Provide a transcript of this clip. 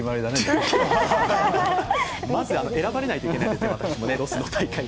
まず選ばれないといけないですね。